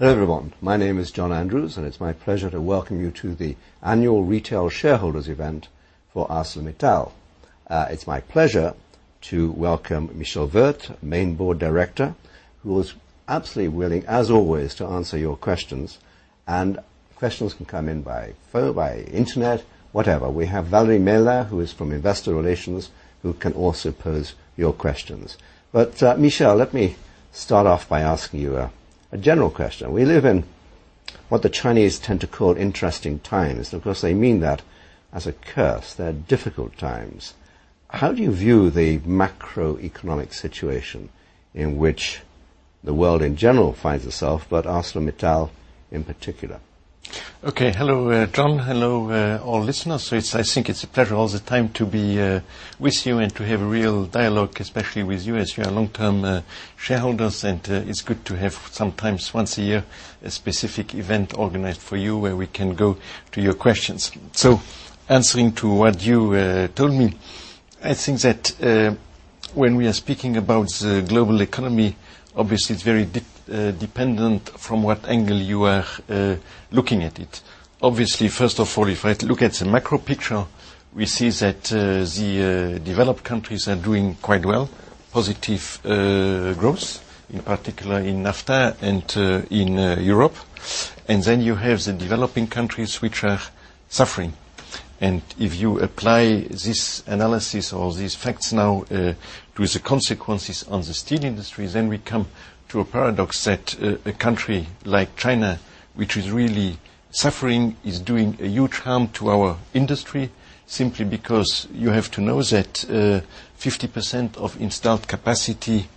Two, one. Hello, everyone. My name is John Andrews, and it's my pleasure to welcome you to the annual retail shareholders event for ArcelorMittal. It's my pleasure to welcome Michel Wurth, Main Board Director, who is absolutely willing, as always, to answer your questions. Questions can come in by phone, by internet, whatever. We have Valerie Maillard, who is from Investor Relations, who can also pose your questions. Michel, let me start off by asking you a general question. We live in what the Chinese tend to call interesting times. Of course, they mean that as a curse. They're difficult times. How do you view the macroeconomic situation in which the world in general finds itself, but ArcelorMittal in particular? Okay. Hello, John. Hello, all listeners. I think it's a pleasure all the time to be with you and to have a real dialogue, especially with you as you are long-term shareholders, and it's good to have sometimes once a year a specific event organized for you where we can go to your questions. Answering to what you told me, I think that when we are speaking about the global economy, obviously it's very dependent from what angle you are looking at it. Obviously, first of all, if I look at the macro picture, we see that the developed countries are doing quite well, positive growth, in particular in NAFTA and in Europe. Then you have the developing countries which are suffering. If you apply this analysis or these facts now to the consequences on the steel industry, we come to a paradox that a country like China, which is really suffering, is doing a huge harm to our industry, simply because you have to know that 50% of installed capacity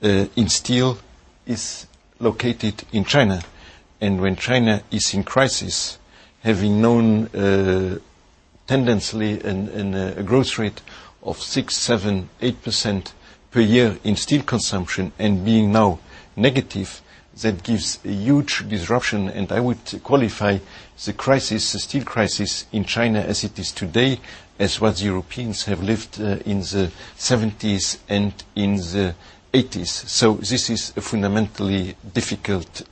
in steel is located in China. When China is in crisis, having known tendency in a growth rate of 6%, 7%, 8% per year in steel consumption and being now negative, that gives a huge disruption. I would qualify the crisis, the steel crisis in China as it is today, as what Europeans have lived in the '70s and in the '80s. This is a fundamentally difficult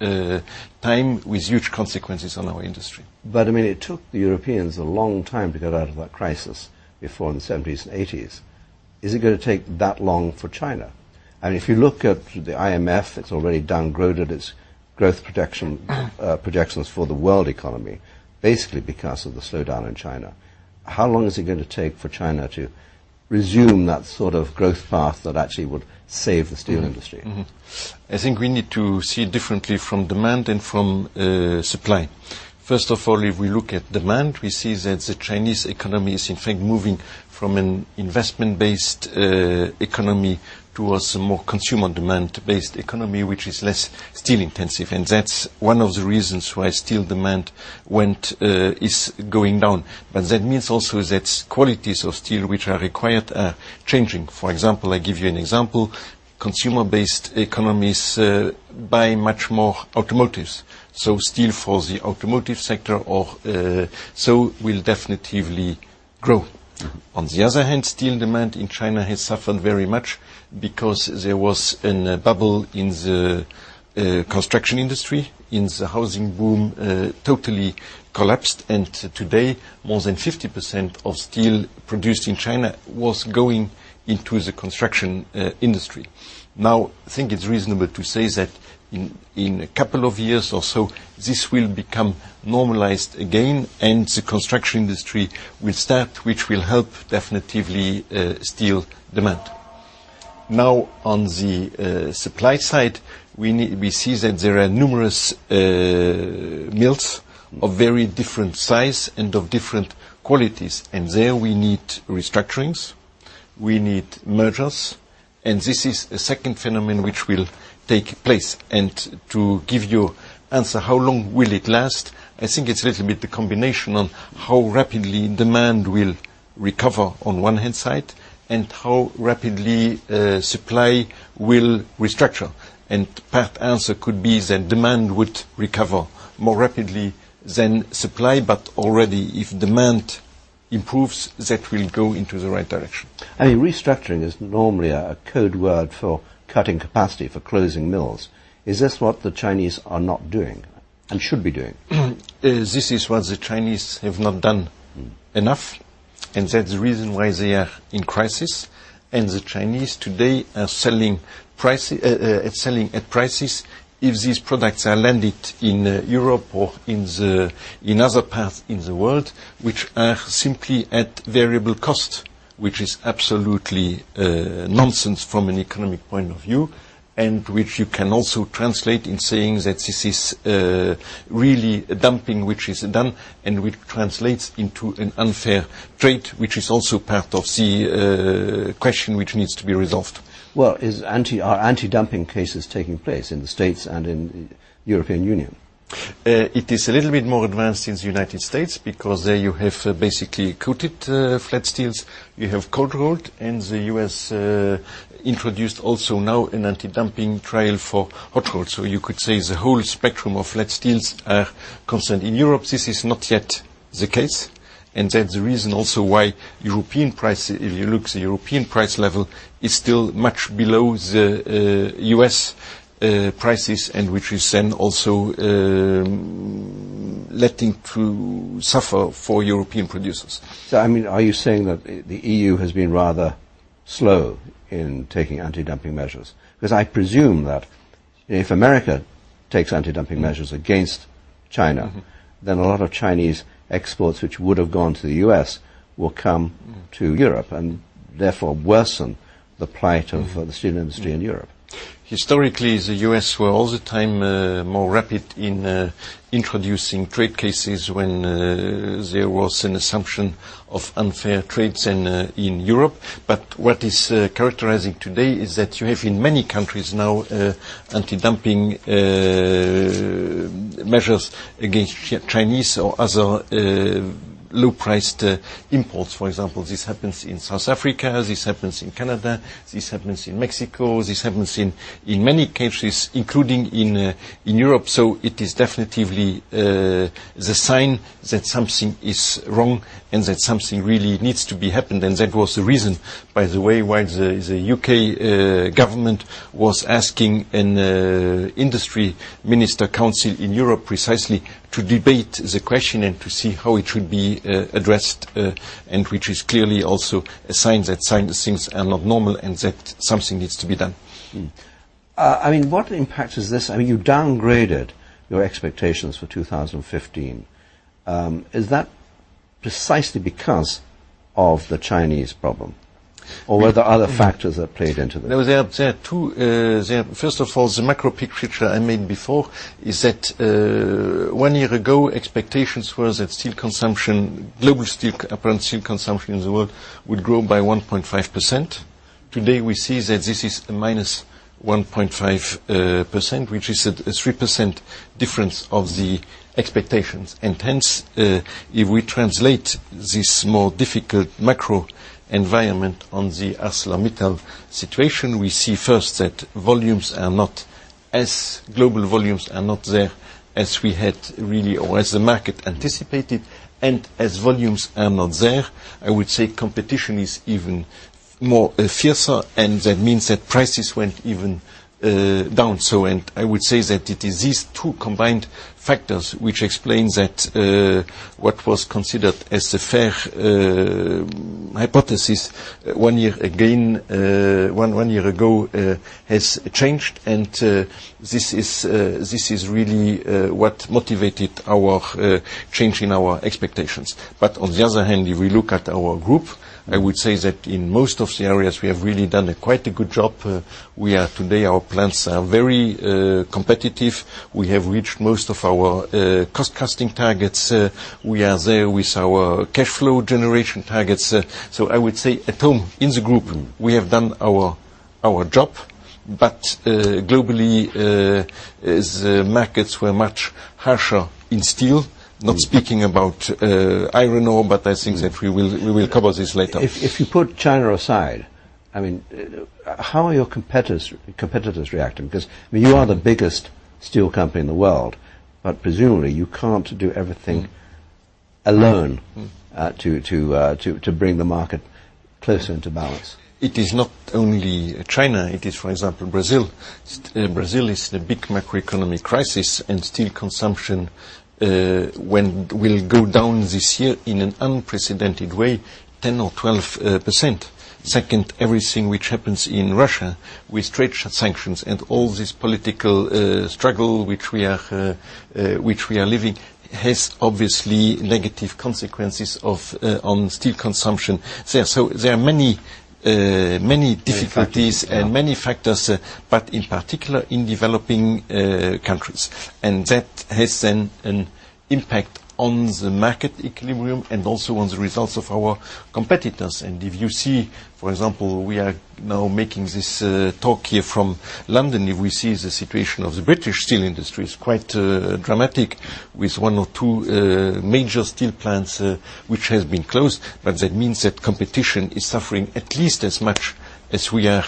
time with huge consequences on our industry. I mean, it took the Europeans a long time to get out of that crisis before in the '70s and '80s. Is it gonna take that long for China? If you look at the IMF, it's already downgraded its growth projections for the world economy, basically because of the slowdown in China. How long is it gonna take for China to resume that sort of growth path that actually would save the steel industry? I think we need to see differently from demand and from supply. First of all, if we look at demand, we see that the Chinese economy is in fact moving from an investment-based economy towards a more consumer demand-based economy, which is less steel intensive, that's one of the reasons why steel demand is going down. That means also that qualities of steel which are required are changing. For example, I give you an example, consumer-based economies buy much more automotives. Steel for the automotive sector or so will definitively grow. On the other hand, steel demand in China has suffered very much because there was a bubble in the construction industry, the housing boom totally collapsed, and today more than 50% of steel produced in China was going into the construction industry. I think it's reasonable to say that in a couple of years or so, this will become normalized again, the construction industry will start, which will help definitively steel demand. On the supply side, we see that there are numerous mills of very different size and of different qualities. There we need restructurings, we need mergers, this is a second phenomenon which will take place. To give you answer, how long will it last? I think it's a little bit the combination on how rapidly demand will recover on one hand side and how rapidly supply will restructure. Part answer could be that demand would recover more rapidly than supply, already if demand improves, that will go into the right direction. Restructuring is normally a code word for cutting capacity, for closing mills. Is this what the Chinese are not doing and should be doing? This is what the Chinese have not done enough. That's the reason why they are in crisis. The Chinese today are selling at prices if these products are landed in Europe or in other parts in the world which are simply at variable cost, which is absolutely nonsense from an economic point of view, which you can also translate in saying that this is really dumping which is done, which translates into an unfair trade, which is also part of the question which needs to be resolved. Well, are anti-dumping cases taking place in the U.S. and in European Union? It is a little bit more advanced in the United States because there you have basically coated flat steels. You have cold rolled. The U.S. introduced also now an anti-dumping trial for hot rolled. You could say the whole spectrum of flat steels are concerned. In Europe, this is not yet the case. That's the reason also why European price, if you look, the European price level is still much below the U.S. prices, which is then also letting through suffer for European producers. Are you saying that the EU has been rather slow in taking anti-dumping measures? I presume that if America takes anti-dumping measures against China. A lot of Chinese exports which would have gone to the U.S. will come to Europe, and therefore worsen the plight of- The steel industry in Europe. Historically, the U.S. were all the time more rapid in introducing trade cases when there was an assumption of unfair trades in Europe. What is characterizing today is that you have, in many countries now, anti-dumping measures against Chinese or other low-priced imports. For example, this happens in South Africa, this happens in Canada, this happens in Mexico. This happens in many countries, including in Europe. It is definitely the sign that something is wrong and that something really needs to be happened. That was the reason, by the way, why the U.K. government was asking an industry minister council in Europe precisely to debate the question and to see how it should be addressed, and which is clearly also a sign that certain things are not normal and that something needs to be done. Mm. What impact has this You downgraded your expectations for 2015. Is that precisely because of the Chinese problem? Were there other factors that played into that? No, there are two. First of all, the macro picture I made before is that one year ago, expectations were that global apparent steel consumption in the world would grow by 1.5%. Today, we see that this is minus 1.5%, which is a 3% difference of the expectations. Hence, if we translate this more difficult macro environment on the ArcelorMittal situation, we see first that global volumes are not there as we had really, or as the market anticipated. As volumes are not there, I would say competition is even more fiercer. That means that prices went even down. I would say that it is these two combined factors which explain that what was considered as a fair hypothesis one year ago has changed. This is really what motivated changing our expectations. On the other hand, if we look at our group, I would say that in most of the areas, we have really done quite a good job. Today our plants are very competitive. We have reached most of our cost-cutting targets. We are there with our cash flow generation targets. I would say at home, in the group. We have done our job. Globally, as markets were much harsher in steel, not speaking about iron ore, but I think that we will cover this later. If you put China aside, how are your competitors reacting? You are the biggest steel company in the world, but presumably, you can't do everything alone. to bring the market closer into balance. It is not only China. It is, for example, Brazil. Brazil is in a big macroeconomic crisis, and steel consumption will go down this year in an unprecedented way, 10% or 12%. Second, everything which happens in Russia with trade sanctions. All this political struggle which we are living has obviously negative consequences on steel consumption. There are many difficulties. Many factors. Yeah Many factors, but in particular in developing countries. That has an impact on the market equilibrium and also on the results of our competitors. If you see, for example, we are now making this talk here from London. If we see the situation of the British steel industry, it is quite dramatic with one or two major steel plants which have been closed. That means that competition is suffering at least as much as we are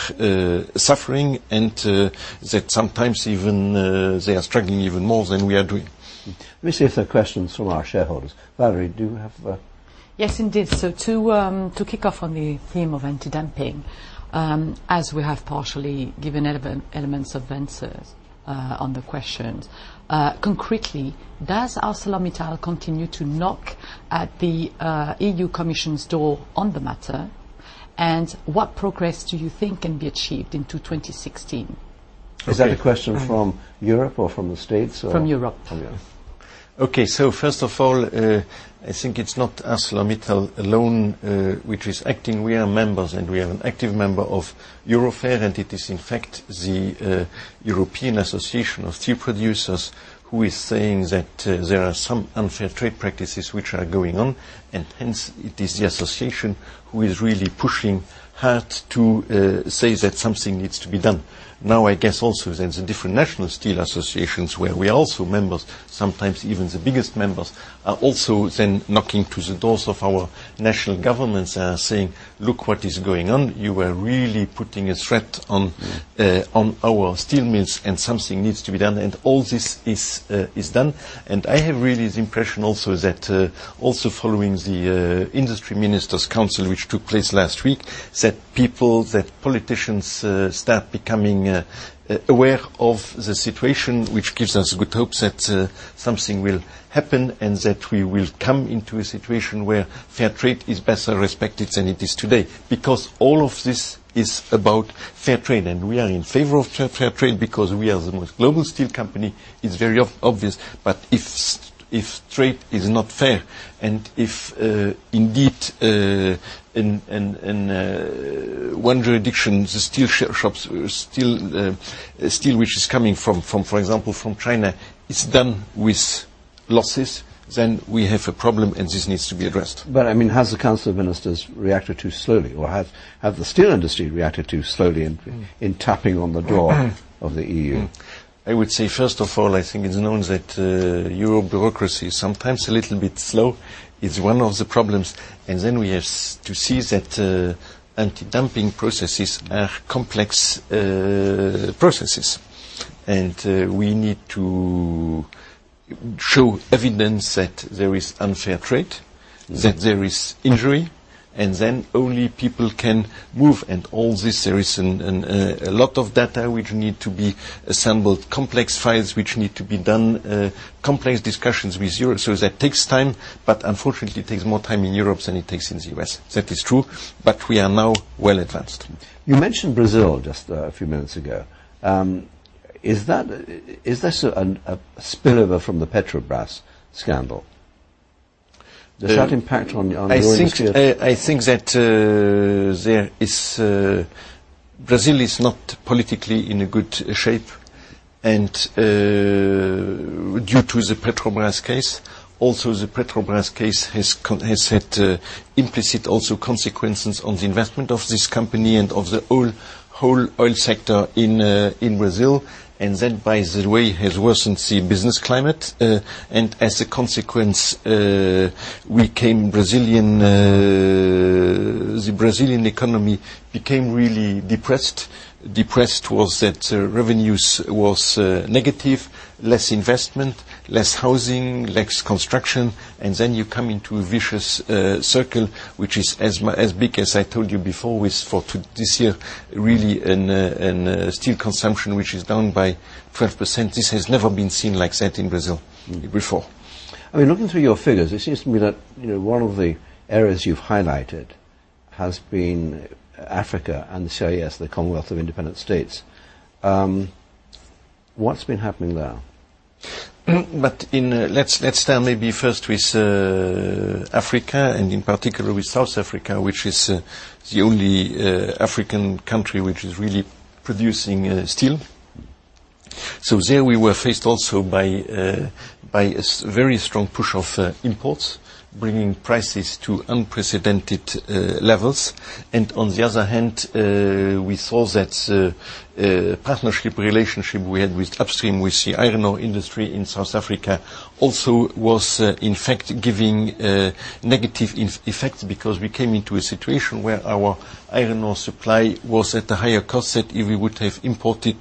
suffering, and that sometimes even they are struggling even more than we are doing. Let me see if there are questions from our shareholders. Valerie, do you have a? Yes, indeed. To kick off on the theme of anti-dumping, as we have partially given elements of answers on the questions. Concretely, does ArcelorMittal continue to knock at the EU Commission's door on the matter? What progress do you think can be achieved into 2016? Is that a question from Europe or from The States or? From Europe. From Europe. First of all, I think it's not ArcelorMittal alone which is acting. We are members, and we are an active member of EUROFER. It is in fact the European Association of Steel Producers who is saying that there are some unfair trade practices which are going on. Hence, it is the association who is really pushing hard to say that something needs to be done. Now, I guess also there's the different national steel associations where we are also members. Sometimes even the biggest members are also then knocking to the doors of our national governments and are saying, "Look what is going on. You are really putting a threat on our steel mills, and something needs to be done." All this is done. I have really the impression also that also following the Industry Ministers' Council, which took place last week, that people, that politicians start becoming aware of the situation, which gives us good hope that something will happen. That we will come into a situation where fair trade is better respected than it is today. Because all of this is about fair trade. We are in favor of fair trade because we are the most global steel company. It's very obvious. If trade is not fair, and if indeed in one jurisdiction, the steel which is coming from, for example, from China, is done with losses, then we have a problem, and this needs to be addressed. Has the Council of Ministers reacted too slowly, or has the steel industry reacted too slowly in tapping on the door of the EU? I would say, first of all, I think it's known that Europe bureaucracy is sometimes a little bit slow, is one of the problems. We have to see that anti-dumping processes are complex processes. We need to show evidence that there is unfair trade, that there is injury, and then only people can move. All this, there is a lot of data which need to be assembled, complex files which need to be done, complex discussions with Europe. That takes time, unfortunately, it takes more time in Europe than it takes in the U.S. That is true, we are now well-advanced. You mentioned Brazil just a few minutes ago. Is this a spillover from the Petrobras scandal? The impact on raw materials. I think that Brazil is not politically in a good shape and due to the Petrobras case. Also, the Petrobras case has had implicit also consequences on the investment of this company and of the whole oil sector in Brazil. That, by the way, has worsened the business climate. As a consequence, the Brazilian economy became really depressed. Depressed was that revenues was negative, less investment, less housing, less construction. You come into a vicious circle, which is as big as I told you before, with for this year, really, steel consumption which is down by 12%. This has never been seen like that in Brazil before. Looking through your figures, it seems to me that one of the areas you've highlighted has been Africa and the CIS, the Commonwealth of Independent States. What's been happening there? Let's start maybe first with Africa. In particular with South Africa, which is the only African country which is really producing steel. There we were faced also by a very strong push of imports, bringing prices to unprecedented levels. On the other hand, we saw that partnership relationship we had with upstream with the iron ore industry in South Africa also was, in fact, giving negative effects because we came into a situation where our iron ore supply was at a higher cost that if we would have imported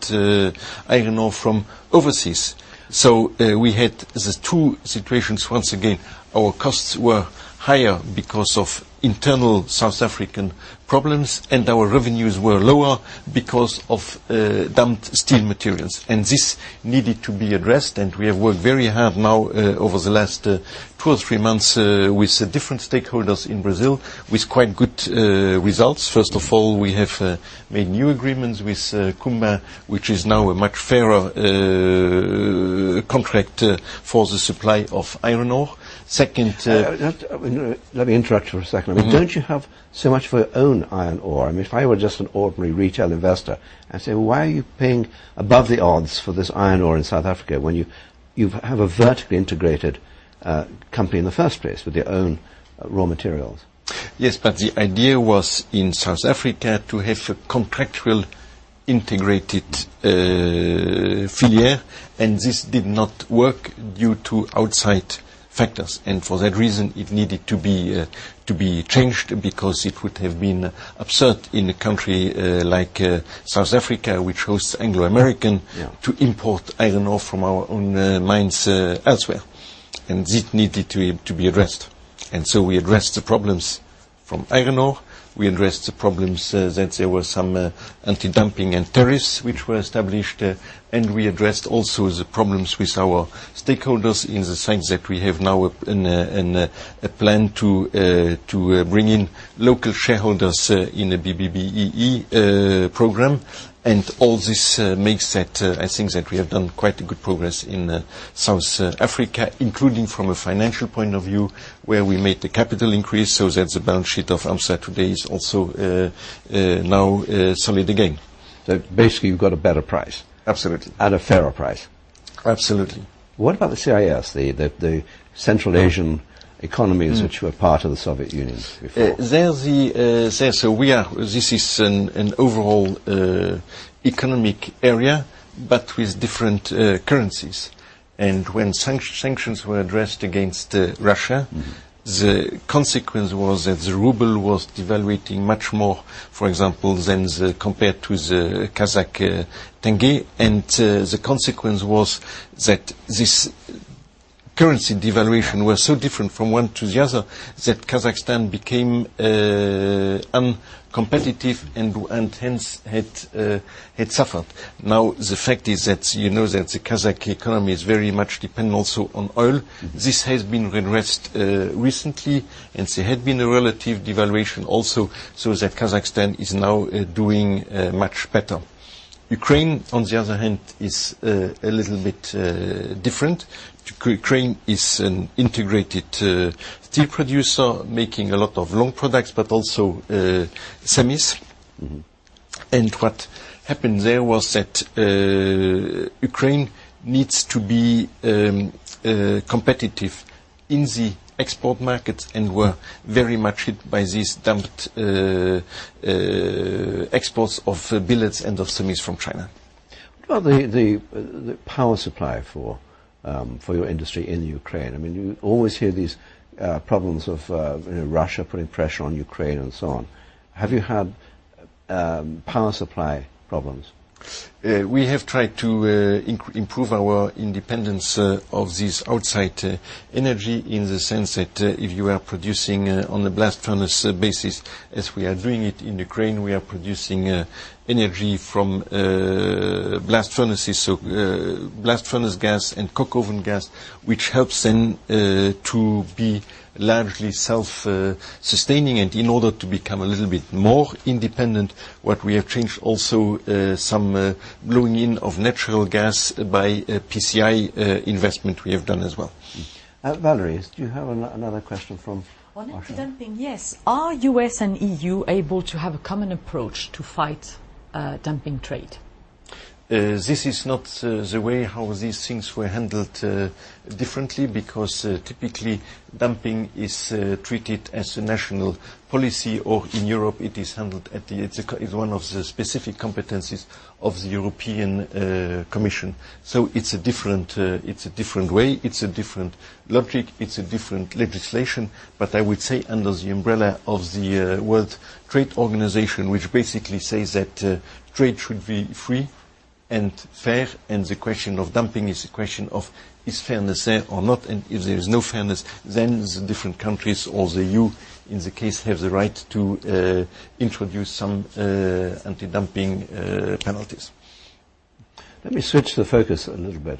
iron ore from overseas. We had the two situations. Once again, our costs were higher because of internal South African problems, and our revenues were lower because of dumped steel materials. This needed to be addressed, and we have worked very hard now over the last two or three months with different stakeholders in Brazil with quite good results. First of all, we have made new agreements with Kumba, which is now a much fairer contract for the supply of iron ore. Let me interrupt you for a second. Don't you have so much of your own iron ore? If I were just an ordinary retail investor, I'd say, "Why are you paying above the odds for this iron ore in South Africa when you have a vertically integrated company in the first place with your own raw materials? Yes, the idea was in South Africa to have a contractual integrated filière, this did not work due to outside factors. For that reason, it needed to be changed because it would have been absurd in a country like South Africa, which hosts Anglo American- Yeah to import iron ore from our own mines elsewhere. This needed to be addressed. We addressed the problems from iron ore. We addressed the problems that there were some anti-dumping and tariffs which were established. We addressed also the problems with our stakeholders in the sense that we have now a plan to bring in local shareholders in a B-BBEE program. All this makes that I think that we have done quite a good progress in South Africa, including from a financial point of view, where we made the capital increase so that the balance sheet of ArcelorMittal today is also now solid again. Basically, you've got a better price. Absolutely. A fairer price. Absolutely. What about the CIS, the Central Asian economies which were part of the Soviet Union before? This is an overall economic area but with different currencies. When sanctions were addressed against Russia. The consequence was that the ruble was devaluating much more, for example, compared to the Kazakh tenge. The consequence was that this currency devaluation was so different from one to the other that Kazakhstan became uncompetitive and hence had suffered. The fact is that you know that the Kazakh economy is very much dependent also on oil. This has been redressed recently, and there had been a relative devaluation also so that Kazakhstan is now doing much better. Ukraine, on the other hand, is a little bit different. Ukraine is an integrated steel producer making a lot of long products but also semis. What happened there was that Ukraine needs to be competitive in the export markets and were very much hit by these dumped exports of billets and of semis from China. What about the power supply for your industry in Ukraine? You always hear these problems of Russia putting pressure on Ukraine and so on. Have you had power supply problems? We have tried to improve our independence of this outside energy in the sense that if you are producing on a blast furnace basis, as we are doing it in Ukraine, we are producing energy from blast furnaces. Blast furnace gas and coke oven gas, which helps then to be largely self-sustaining. In order to become a little bit more independent, what we have changed also some blowing in of natural gas by PCI investment we have done as well. Valerie, do you have another question from ArcelorMittal? On dumping, yes. Are U.S. and EU able to have a common approach to fight dumping trade? This is not the way how these things were handled differently because typically dumping is treated as a national policy. In Europe, it is handled as one of the specific competencies of the European Commission. It's a different way. It's a different logic. It's a different legislation. I would say under the umbrella of the World Trade Organization, which basically says that trade should be free and fair, and the question of dumping is a question of, is fairness there or not? If there is no fairness, then the different countries or the EU in the case have the right to introduce some anti-dumping penalties. Let me switch the focus a little bit.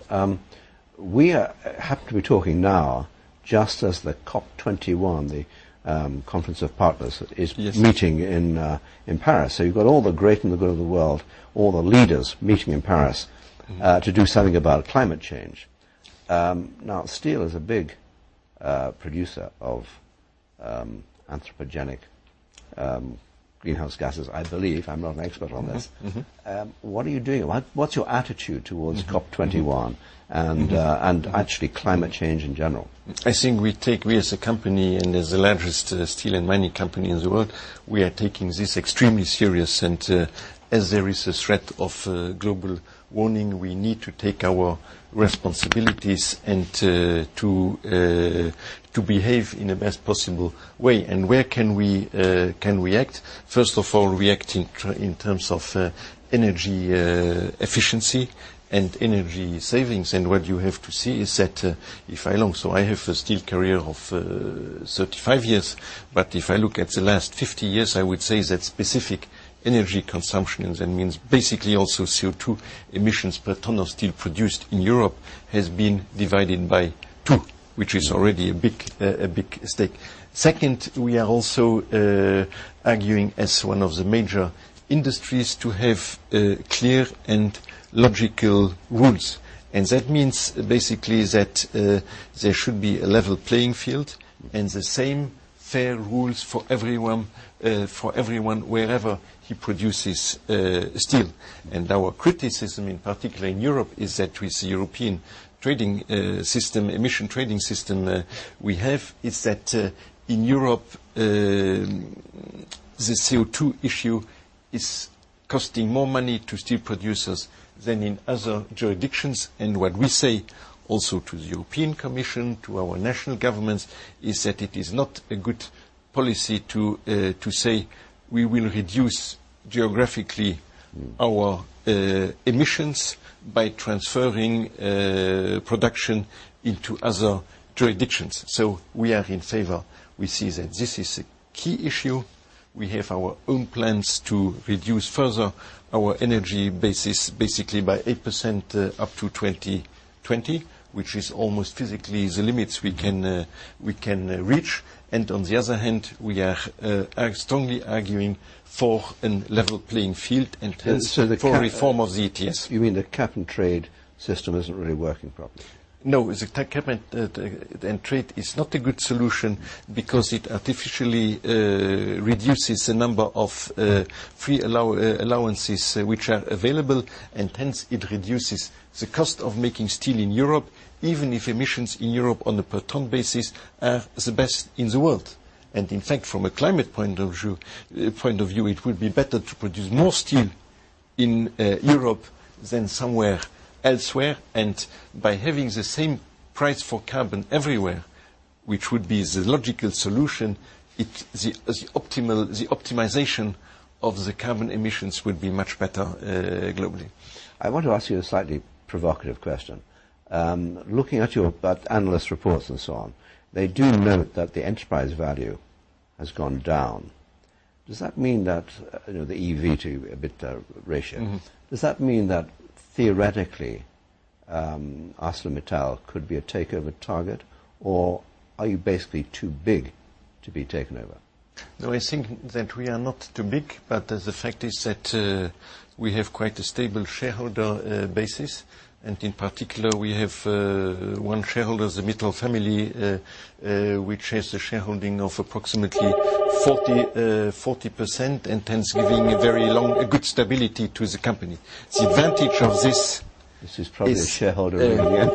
We happen to be talking now just as the COP21, the Conference of the Parties, is meeting in Paris. You've got all the great and the good of the world, all the leaders meeting in Paris to do something about climate change. Steel is a big producer of anthropogenic greenhouse gases, I believe. I'm not an expert on this. What are you doing? What's your attitude towards COP21 and actually climate change in general? I think we as a company, and as the largest steel and mining company in the world, we are taking this extremely serious. As there is a threat of global warning, we need to take our responsibilities and to behave in the best possible way. Where can we act? First of all, we act in terms of energy efficiency and energy savings. What you have to see is that if I long, so I have a steel career of 35 years, but if I look at the last 50 years, I would say that specific energy consumption, and that means basically also CO2 emissions per ton of steel produced in Europe, has been divided by two, which is already a big stake. Second, we are also arguing as one of the major industries to have clear and logical rules. That means basically that there should be a level playing field and the same fair rules for everyone wherever he produces steel. Our criticism, in particular in Europe, is that with the European Emissions Trading System we have, is that in Europe, the CO2 issue is costing more money to steel producers than in other jurisdictions. What we say also to the European Commission, to our national governments, is that it is not a good policy to say we will reduce geographically our emissions by transferring production into other jurisdictions. We are in favor. We see that this is a key issue. We have our own plans to reduce further our energy basis, basically by 8% up to 2020, which is almost physically the limits we can reach. On the other hand, we are strongly arguing for a level playing field and hence for reform of the ETS. You mean the cap and trade system isn't really working properly? No, the cap and trade is not a good solution because it artificially reduces the number of free allowances which are available, and hence it reduces the cost of making steel in Europe, even if emissions in Europe on the per ton basis are the best in the world. In fact, from a climate point of view, it would be better to produce more steel in Europe than somewhere elsewhere. By having the same price for carbon everywhere, which would be the logical solution, the optimization of the carbon emissions would be much better globally. I want to ask you a slightly provocative question. Looking at your analyst reports and so on, they do note that the enterprise value has gone down. Does that mean that, the EV to EBITDA ratio. Does that mean that theoretically, ArcelorMittal could be a takeover target, or are you basically too big to be taken over? I think that we are not too big. The fact is that we have quite a stable shareholder base. In particular, we have one shareholder, the Mittal family, which has a shareholding of approximately 40%, and hence giving a very good stability to the company. The advantage of this- This is probably a shareholder ringing in.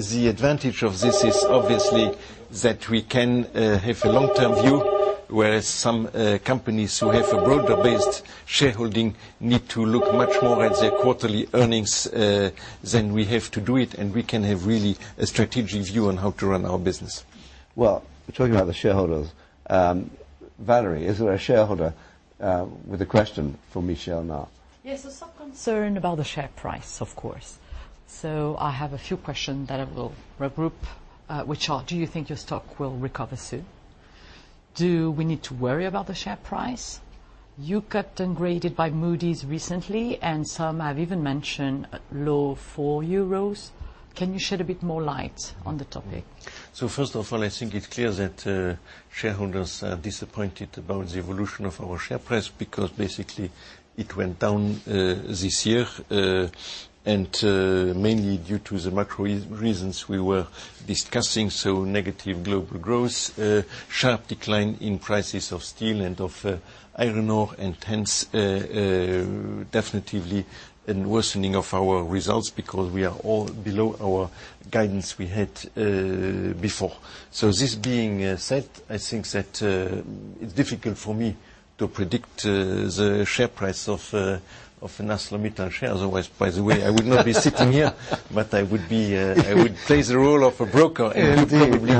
The advantage of this is obviously that we can have a long-term view, whereas some companies who have a broader-based shareholding need to look much more at their quarterly earnings than we have to do it, and we can have really a strategic view on how to run our business. Well, talking about the shareholders, Valerie Maillard, as a shareholder, with a question for Michel Wurth now. Yes. Some concern about the share price, of course. I have a few questions that I will regroup, which are, do you think your stock will recover soon? Do we need to worry about the share price? You got downgraded by Moody's recently, and some have even mentioned low 4 euros. Can you shed a bit more light on the topic? First of all, I think it's clear that shareholders are disappointed about the evolution of our share price, because basically it went down this year, and mainly due to the macro reasons we were discussing. Negative global growth, sharp decline in prices of steel and of iron ore, and hence definitively a worsening of our results because we are all below our guidance we had before. This being said, I think that it's difficult for me to predict the share price of an ArcelorMittal share. Otherwise, by the way, I would not be sitting here. I would play the role of a broker and probably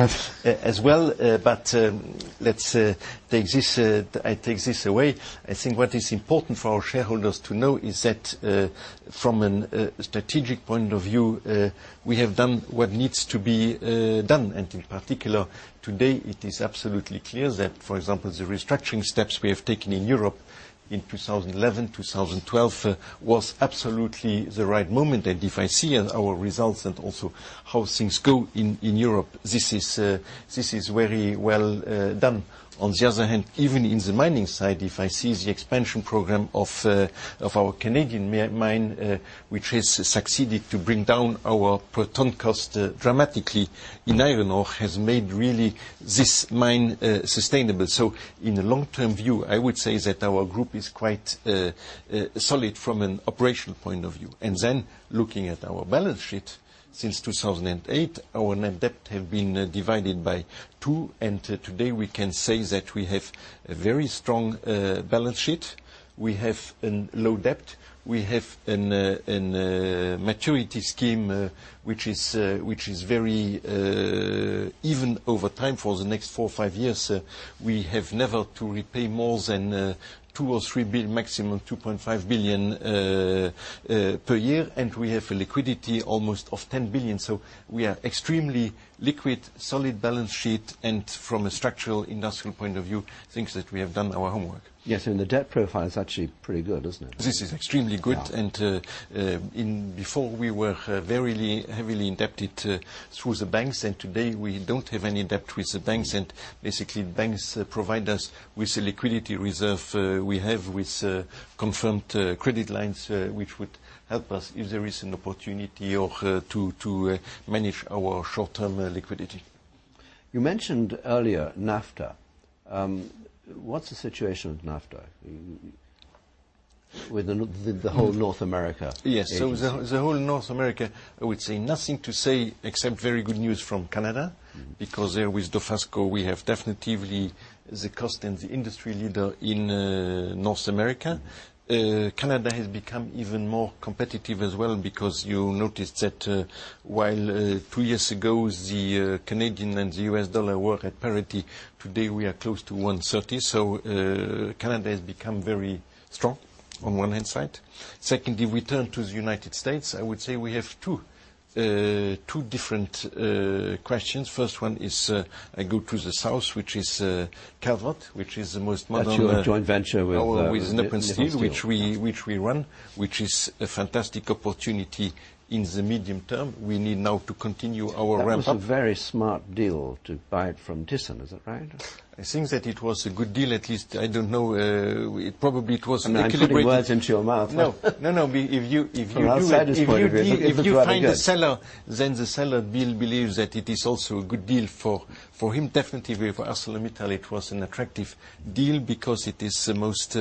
as well. Let's take this away. I think what is important for our shareholders to know is that, from a strategic point of view, we have done what needs to be done. In particular, today it is absolutely clear that, for example, the restructuring steps we have taken in Europe in 2011, 2012 was absolutely the right moment. If I see our results and also how things go in Europe, this is very well done. On the other hand, even in the mining side, if I see the expansion program of our Canadian mine which has succeeded to bring down our per ton cost dramatically in iron ore, has made really this mine sustainable. In the long-term view, I would say that our group is quite solid from an operational point of view. Then looking at our balance sheet, since 2008, our net debt have been divided by 2, and today we can say that we have a very strong balance sheet. We have a low debt. We have a maturity scheme, which is very even over time for the next four or five years. We have never to repay more than two or three, maximum $2.5 billion per year. We have a liquidity almost of $10 billion. We are extremely liquid, solid balance sheet, and from a structural industrial point of view, thinks that we have done our homework. Yes, the debt profile is actually pretty good, isn't it? This is extremely good. Yeah. Before we were very heavily indebted through the banks, and today we don't have any debt with the banks. Basically, banks provide us with a liquidity reserve we have with confirmed credit lines, which would help us if there is an opportunity or to manage our short-term liquidity. You mentioned earlier NAFTA. What's the situation with NAFTA, with the whole North America agency? Yes. The whole North America, I would say nothing to say except very good news from Canada, because there with Dofasco, we have definitively the cost and the industry leader in North America. Canada has become even more competitive as well because you noticed that while two years ago the Canadian and the U.S. dollar were at parity, today we are close to 130. Canada has become very strong on one hand side. Secondly, return to the U.S., I would say we have two different questions. First one is, I go to the south, which is Calvert, which is the most modern- That's your joint venture with- With Nippon Steel Nippon Steel. Which we run, which is a fantastic opportunity in the medium-term. We need now to continue our ramp up. That was a very smart deal to buy it from ThyssenKrupp, is that right? I think that it was a good deal. At least, I don't know. I'm putting words into your mouth. No, no. If you do it- From our side's point of view, it was rather good if you find a seller, then the seller will believe that it is also a good deal for him. Definitely for ArcelorMittal, it was an attractive deal because it is the most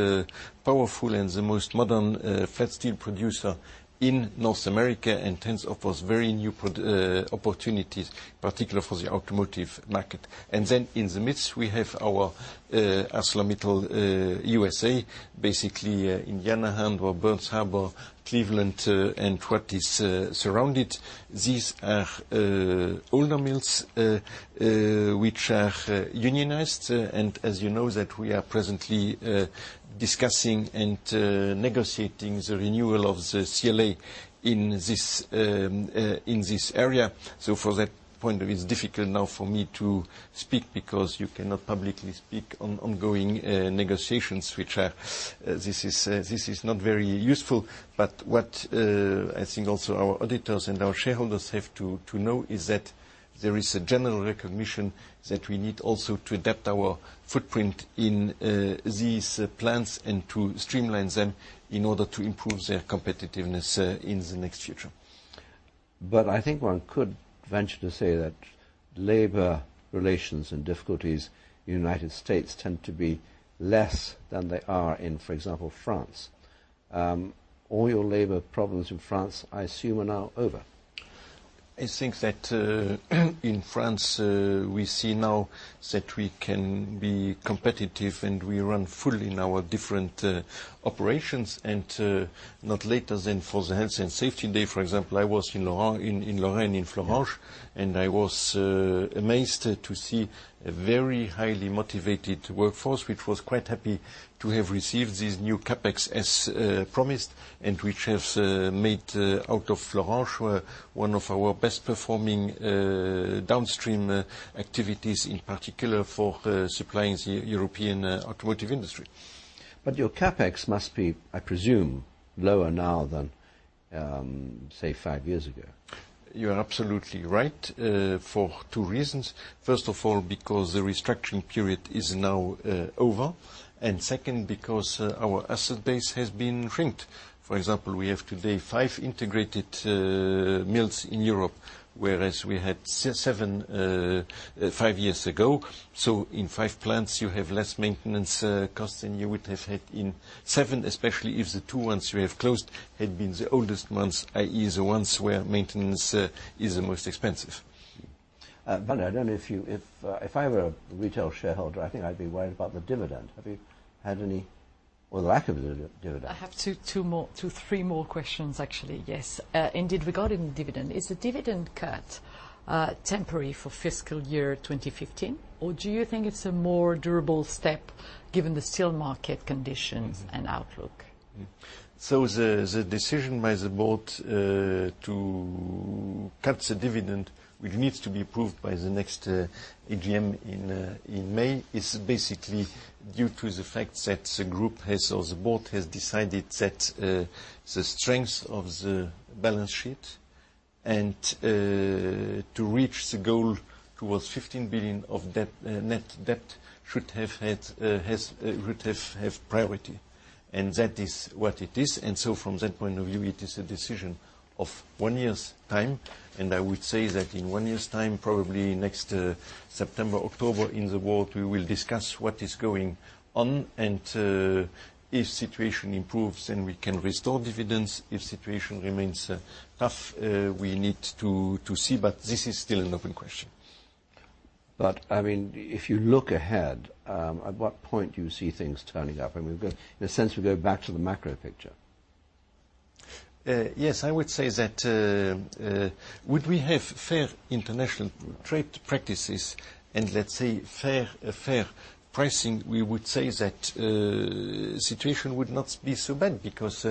powerful and the most modern flat steel producer in North America, and hence offers very new opportunities, particularly for the automotive market. Then in the midst, we have our ArcelorMittal USA. Basically, Indiana Harbor, Burns Harbor, Cleveland, and what is surrounded. These are older mills, which are unionized, and as you know that we are presently discussing and negotiating the renewal of the CLA in this area. For that point, it's difficult now for me to speak because you cannot publicly speak on ongoing negotiations. This is not very useful, but what I think also our auditors and our shareholders have to know is that there is a general recognition that we need also to adapt our footprint in these plants and to streamline them in order to improve their competitiveness in the next future. I think one could venture to say that labor relations and difficulties in the U.S. tend to be less than they are in, for example, France. All your labor problems in France, I assume, are now over. I think that in France, we see now that we can be competitive, and we run fully in our different operations. Not later than for the health and safety day, for example, I was in Lorraine, in Florange. I was amazed to see a very highly motivated workforce, which was quite happy to have received this new CapEx as promised, and which has made out of Florange one of our best performing downstream activities, in particular for supplying the European automotive industry. Your CapEx must be, I presume, lower now than, say, five years ago. You're absolutely right, for two reasons. First of all, because the restructuring period is now over, and second, because our asset base has been shrinked. For example, we have today 5 integrated mills in Europe, whereas we had 7, 5 years ago. In 5 plants, you have less maintenance costs than you would have had in 7, especially if the 2 ones we have closed had been the oldest ones, i.e. the ones where maintenance is the most expensive. Bernard, if I were a retail shareholder, I think I'd be worried about the dividend. Have you had any, or the lack of the dividend? I have two, three more questions, actually. Yes. Indeed, regarding the dividend, is the dividend cut temporary for fiscal year 2015, or do you think it's a more durable step given the steel market conditions and outlook? The decision by the board to cut the dividend, which needs to be approved by the next AGM in May, is basically due to the fact that the group has, or the board has decided that the strength of the balance sheet and to reach the goal towards $15 billion of net debt should have priority. That is what it is. From that point of view, it is a decision of one year's time. I would say that in one year's time, probably next September, October, in the world, we will discuss what is going on and if situation improves, and we can restore dividends. If situation remains tough, we need to see. This is still an open question. If you look ahead, at what point do you see things turning up? In a sense, we go back to the macro picture. Yes. I would say that would we have fair international trade practices and let's say fair pricing, we would say that situation would not be so bad because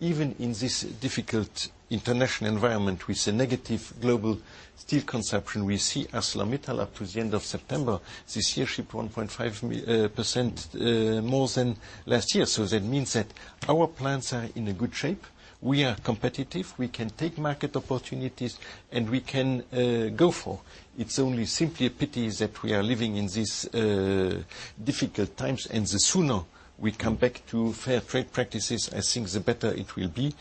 even in this difficult international environment with a negative global steel consumption, we see ArcelorMittal up to the end of September this year shipped 1.5% more than last year. That means that our plants are in a good shape. We are competitive. We can take market opportunities, and we can go for. It's only simply a pity that we are living in these difficult times, and the sooner we come back to fair trade practices, I think the better it will be.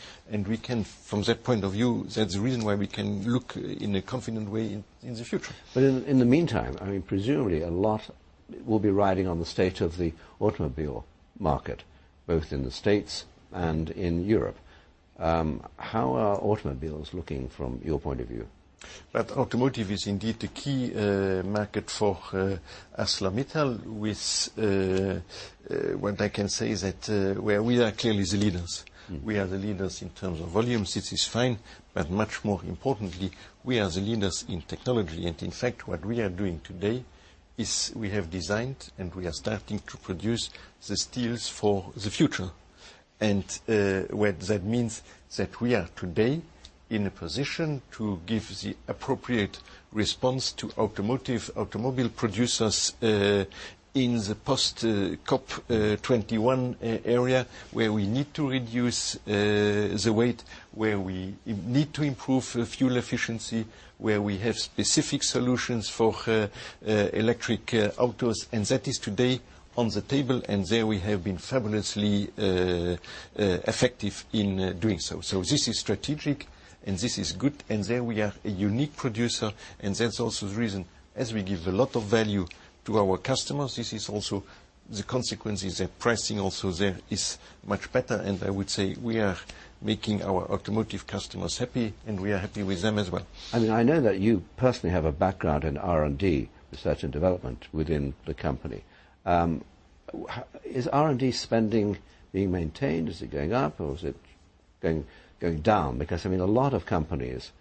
From that point of view, that's the reason why we can look in a confident way in the future. In the meantime, presumably a lot will be riding on the state of the automobile market, both in the U.S. and in Europe. How are automobiles looking from your point of view? Automotive is indeed a key market for ArcelorMittal. What I can say is that we are clearly the leaders. We are the leaders in terms of volumes. This is fine. Much more importantly, we are the leaders in technology. In fact, what we are doing today is we have designed and we are starting to produce the steels for the future. What that means that we are today in a position to give the appropriate response to automobile producers in the post-COP21 area, where we need to reduce the weight, where we need to improve fuel efficiency, where we have specific solutions for electric autos. That is today on the table. There we have been fabulously effective in doing so. This is strategic, and this is good. There we are a unique producer. That's also the reason as we give a lot of value to our customers, this is also the consequences of pricing. There is much better. I would say we are making our automotive customers happy, and we are happy with them as well. I know that you personally have a background in R&D, research and development within the company. Is R&D spending being maintained? Is it going up, or is it going down? A lot of companies,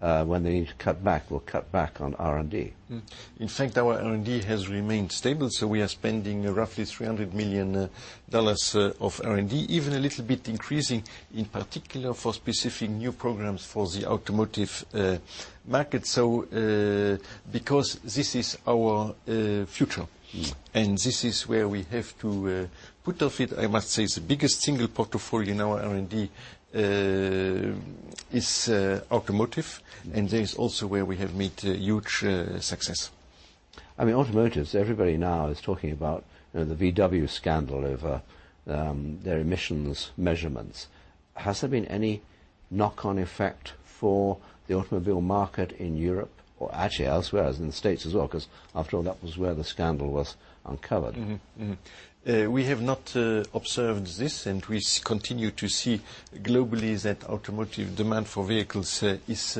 when they need to cut back, will cut back on R&D. In fact, our R&D has remained stable. We are spending roughly $300 million of R&D, even a little bit increasing, in particular for specific new programs for the automotive market. This is our future. This is where we have to put of it. I must say, the biggest single portfolio in our R&D is automotive. That is also where we have made huge success. Automotives, everybody now is talking about the Volkswagen scandal over their emissions measurements. Has there been any knock-on effect for the automobile market in Europe, or actually elsewhere, as in the U.S. as well, because after all, that was where the scandal was uncovered? We have not observed this. We continue to see globally that automotive demand for vehicles is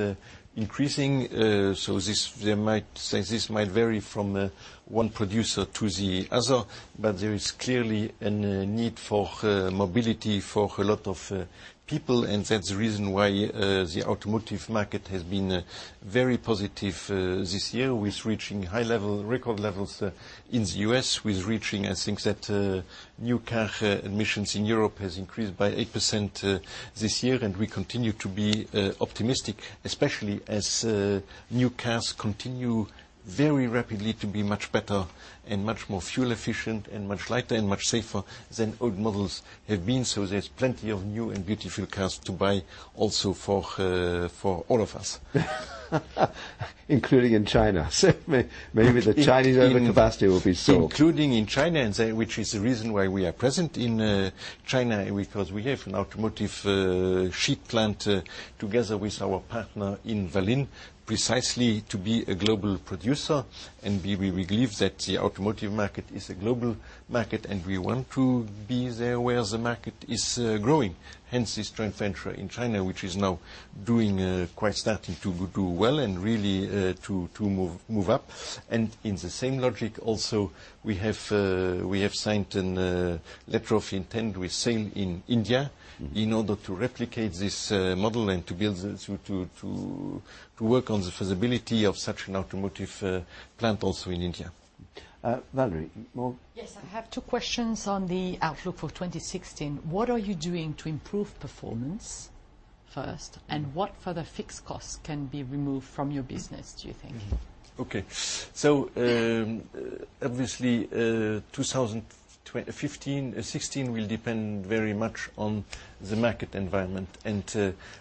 increasing. This might vary from one producer to the other, but there is clearly a need for mobility for a lot of people, and that's the reason why the automotive market has been very positive this year with reaching high level, record levels in the U.S., with reaching, I think that new car emissions in Europe has increased by 8% this year. We continue to be optimistic, especially as new cars continue very rapidly to be much better and much more fuel efficient and much lighter and much safer than old models have been. There's plenty of new and beautiful cars to buy also for all of us. Including in China. Maybe the Chinese overcapacity will be sold. Including in China, which is the reason why we are present in China, because we have an automotive sheet plant together with our partner in Valin, precisely to be a global producer. We believe that the automotive market is a global market, and we want to be there where the market is growing, hence this joint venture in China, which is now starting to do well and really to move up. In the same logic also, we have signed a letter of intent with SAIL in India in order to replicate this model and to work on the feasibility of such an automotive plant also in India. Valerie, more? Yes. I have two questions on the outlook for 2016. What are you doing to improve performance, first, and what further fixed costs can be removed from your business, do you think? Okay. Obviously, 2016 will depend very much on the market environment.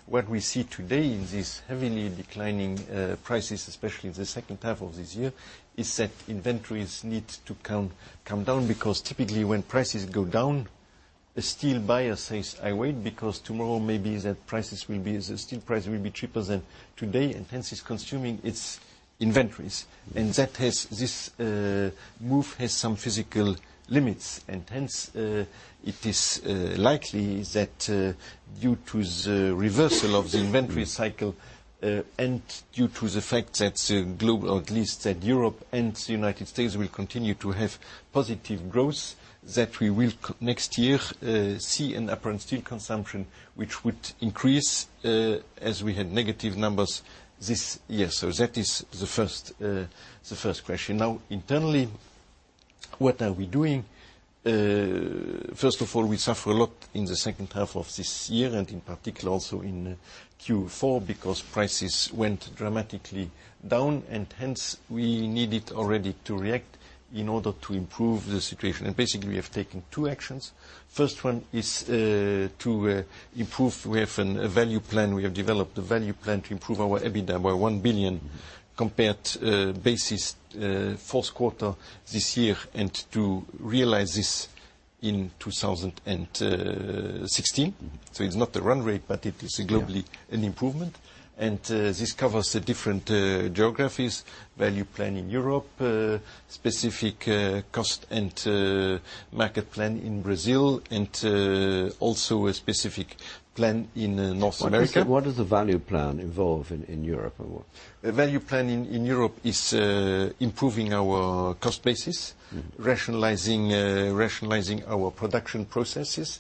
What we see today in these heavily declining prices, especially in the second half of this year, is that inventories need to come down because typically when prices go down, a steel buyer says, "I wait because tomorrow maybe the steel price will be cheaper than today," and hence is consuming its inventories. This move has some physical limits, and hence it is likely that due to the reversal of the inventory cycle and due to the fact that global, or at least that Europe and the U.S. will continue to have positive growth, that we will next year see an apparent steel consumption which would increase as we had negative numbers this year. That is the first question. Now, internally, what are we doing? First of all, we suffer a lot in the second half of this year and in particular also in Q4 because prices went dramatically down and hence we needed already to react in order to improve the situation. Basically, we have taken two actions. First one is to improve. We have a value plan. We have developed a value plan to improve our EBITDA by $1 billion compared basis fourth quarter this year, and to realize this in 2016. It is not a run rate, but it is globally an improvement. This covers the different geographies, value plan in Europe, specific cost and market plan in Brazil, and also a specific plan in North America. What does the value plan involve in Europe or what? The value plan in Europe is improving our cost basis, rationalizing our production processes,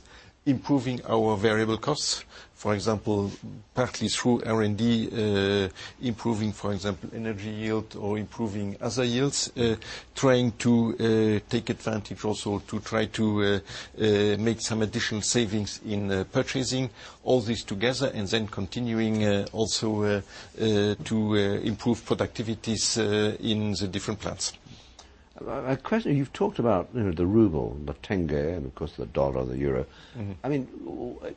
improving our variable costs. For example, partly through R&D, improving, for example, energy yield or improving other yields, trying to take advantage also to try to make some additional savings in purchasing, all these together, and then continuing also to improve productivities in the different plants. A question, you've talked about the ruble, the tenge, and of course, the dollar, the euro.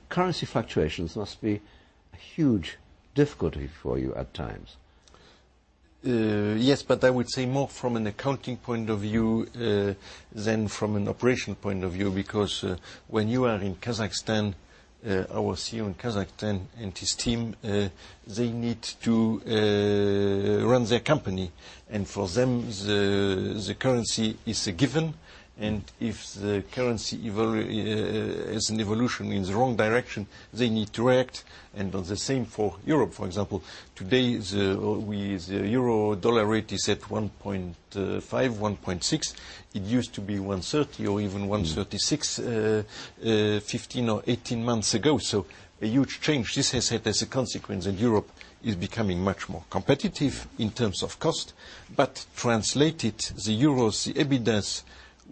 Currency fluctuations must be a huge difficulty for you at times. Yes. I would say more from an accounting point of view than from an operational point of view because when you are in Kazakhstan, our CEO in Kazakhstan and his team, they need to run their company. For them, the currency is a given. If the currency has an evolution in the wrong direction, they need to react. The same for Europe. For example, today, with euro-dollar rate is at 1.5-1.6. It used to be 1.30 or even 1.36, 15 or 18 months ago. This has had as a consequence that Europe is becoming much more competitive in terms of cost. Translated, the euros, the EBITDAs,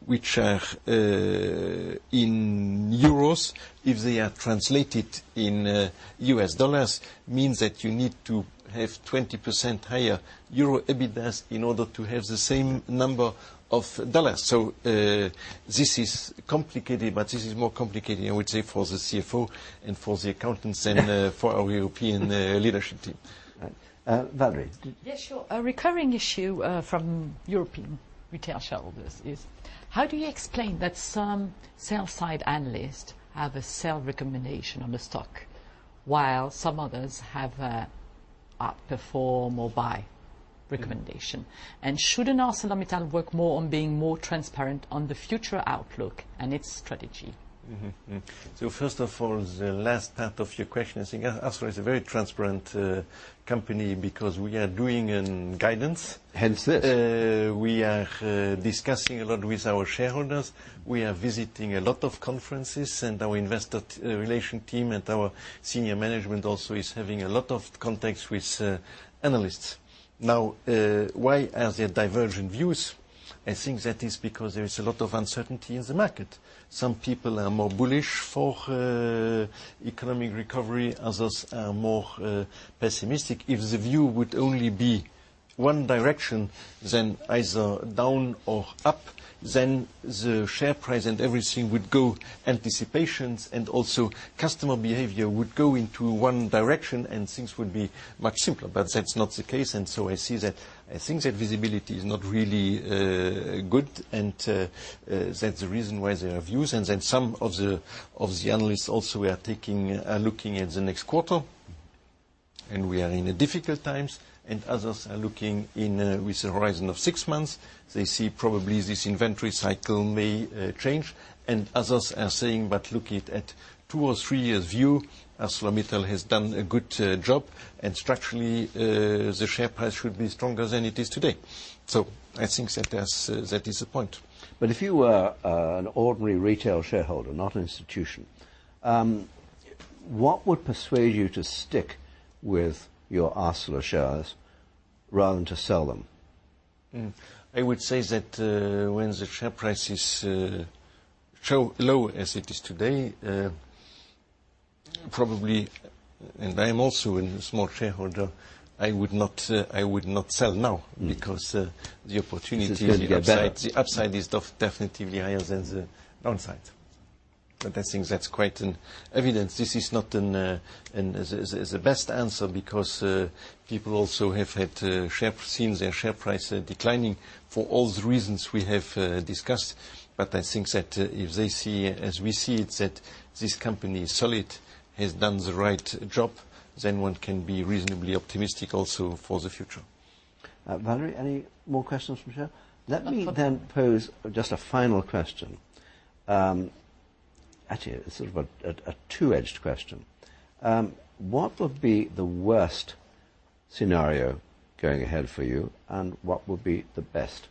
which are in euros, if they are translated in U.S. dollars, means that you need to have 20% higher EUR EBITDAs in order to have the same number of U.S. dollars. This is complicated, but this is more complicated, I would say, for the CFO and for the accountants than for our European leadership team. Valerie Yes, sure. A recurring issue from European retail shareholders is how do you explain that some sell-side analysts have a sell recommendation on the stock, while some others have an outperform or buy recommendation? Shouldn't ArcelorMittal work more on being more transparent on the future outlook and its strategy? First of all, the last part of your question, I think ArcelorMittal is a very transparent company because we are doing a guidance. Hence this. We are discussing a lot with our shareholders. We are visiting a lot of conferences, and our investor relations team and our senior management also is having a lot of contacts with analysts. Why are there divergent views? I think that is because there is a lot of uncertainty in the market. Some people are more bullish for economic recovery, others are more pessimistic. If the view would only be one direction, then either down or up, then the share price and everything would go anticipations, and also customer behavior would go into one direction, and things would be much simpler. That's not the case. I think that visibility is not really good, and that's the reason why there are views. Some of the analysts also are looking at the next quarter, and we are in difficult times. Others are looking with a horizon of six months. They see probably this inventory cycle may change. Others are saying, look at two or three years view, ArcelorMittal has done a good job, and structurally, the share price should be stronger than it is today. I think that is the point. If you were an ordinary retail shareholder, not an institution, what would persuade you to stick with your ArcelorMittal shares rather than to sell them? I would say that when the share price is so low as it is today, probably, and I am also a small shareholder, I would not sell now because the opportunity- It's going to get better I think that's quite an evidence. This is not the best answer because people also have seen their share price declining for all the reasons we have discussed. I think that if they see as we see it, that this company is solid, has done the right job, then one can be reasonably optimistic also for the future. Valerie, any more questions from share? Let me then pose just a final question. Actually, it's sort of a two-edged question. What would be the worst scenario going ahead for you, and what would be the best?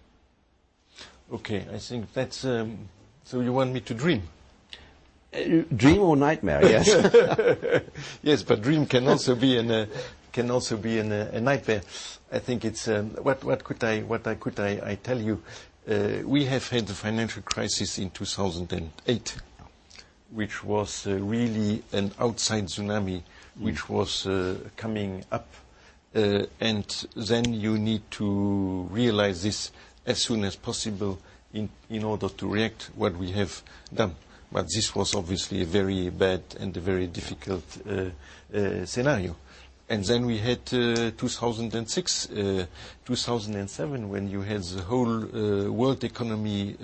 Okay. You want me to dream? Dream or nightmare, yes. Yes, dream can also be a nightmare. What could I tell you? We have had the financial crisis in 2008, which was really an outside tsunami, which was coming up. You need to realize this as soon as possible in order to react what we have done. This was obviously a very bad and a very difficult scenario. We had 2006, 2007, when you had the whole world economy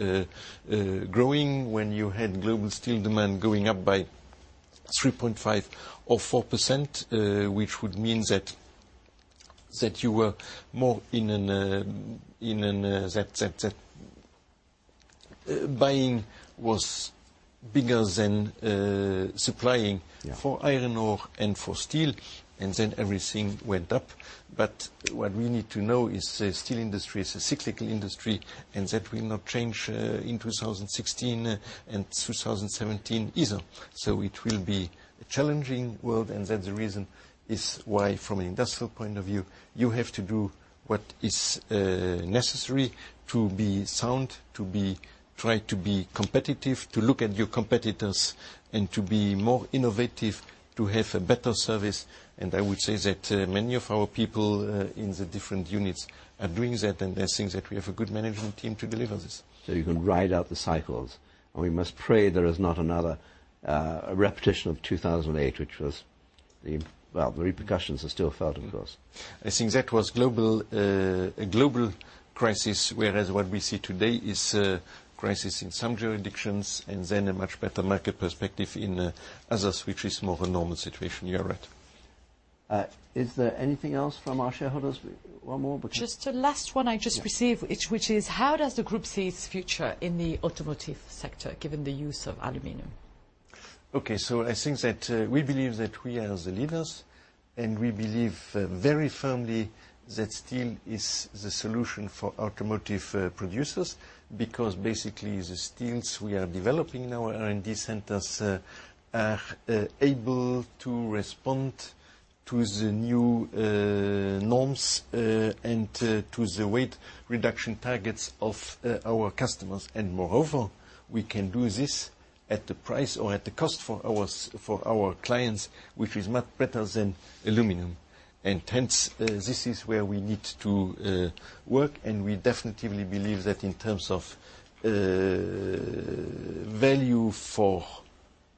growing, when you had global steel demand going up by 3.5% or 4%, which would mean that you were more that buying was bigger than supplying- Yeah For iron ore and for steel, everything went up. What we need to know is the steel industry is a cyclical industry, and that will not change in 2016 and 2017 either. It will be a challenging world, and that's the reason is why from an industrial point of view, you have to do what is necessary to be sound, to try to be competitive, to look at your competitors, and to be more innovative, to have a better service. I would say that many of our people in the different units are doing that, and I think that we have a good management team to deliver this. You can ride out the cycles. We must pray there is not another repetition of 2008, which was, well, the repercussions are still felt, of course. I think that was a global crisis, whereas what we see today is a crisis in some jurisdictions and then a much better market perspective in others, which is more of a normal situation. You are right. Is there anything else from our shareholders? One more. Just a last one I just received, which is how does the group see its future in the automotive sector, given the use of aluminum? Okay. I think that we believe that we are the leaders. We believe very firmly that steel is the solution for automotive producers because basically, the steels we are developing in our R&D centers are able to respond to the new norms and to the weight reduction targets of our customers. Moreover, we can do this at the price or at the cost for our clients, which is much better than aluminum. Hence, this is where we need to work, and we definitively believe that in terms of value for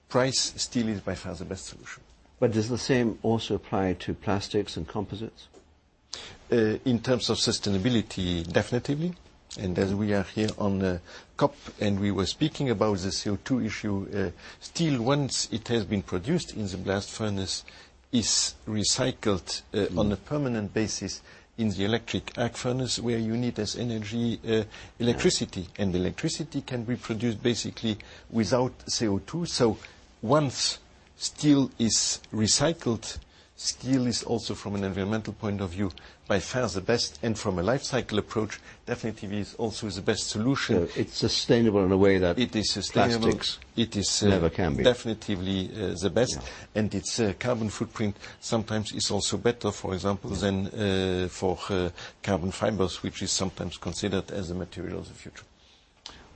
price, steel is by far the best solution. Does the same also apply to plastics and composites? In terms of sustainability, definitively. As we are here on the COP, and we were speaking about the CO2 issue, steel, once it has been produced in the blast furnace, is recycled on a permanent basis in the electric arc furnace, where you need, as energy, electricity. Electricity can be produced basically without CO2. Once steel is recycled, steel is also, from an environmental point of view, by far the best, and from a life cycle approach, definitively is also the best solution. It's sustainable in a way that- It is sustainable plastics never can be. It is definitively the best. Yeah. Its carbon footprint sometimes is also better, for example, than for carbon fibers, which is sometimes considered as a material of the future.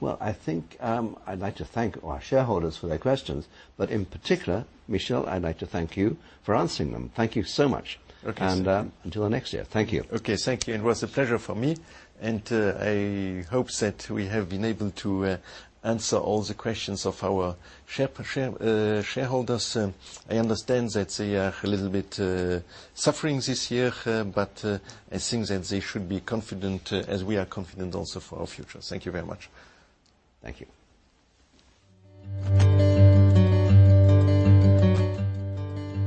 Well, I think I'd like to thank our shareholders for their questions, but in particular, Michel, I'd like to thank you for answering them. Thank you so much. Okay. Until next year. Thank you. Okay, thank you. It was a pleasure for me. I hope that we have been able to answer all the questions of our shareholders. I understand that they are a little bit suffering this year. I think that they should be confident, as we are confident also for our future. Thank you very much. Thank you.